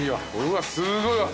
うわっすごいわ。